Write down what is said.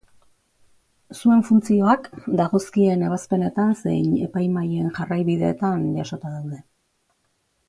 Zuen funtzioak, dagozkien ebazpenetan zein Epaimahaien Jarraibideetan jasota daude.